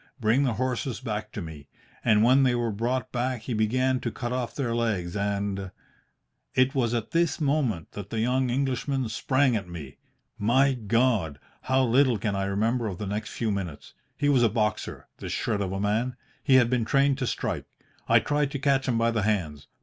Bring the horses back to me. And when they were brought back he began to cut off their legs and ' "It was at this moment that the young Englishman sprang at me. My God! how little can I remember of the next few minutes! He was a boxer, this shred of a man. He had been trained to strike. I tried to catch him by the hands.